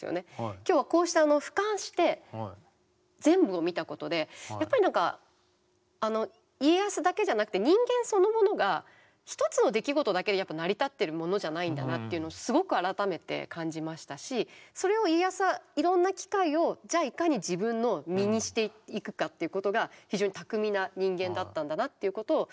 今日はこうしてふかんして全部を見たことでやっぱり何かあの家康だけじゃなくて人間そのものが１つの出来事だけで成り立ってるものじゃないんだなっていうのをすごく改めて感じましたしそれを家康はいろんな機会をじゃあいかに自分の身にしていくかっていうことが非常に巧みな人間だったんだなということをすごく思いました。